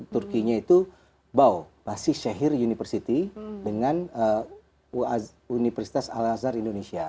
turkinya itu bau dengan universitas al azhar indonesia